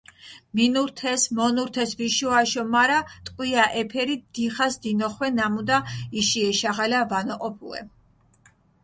მინურთეს, მონურთეს ვიშო-აშო, მარა ტყვია ეფერი დიხას დინოხვე ნამუდა, იში ეშაღალა ვანოჸოფუე.